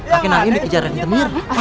pakin lain dikejaran ke mir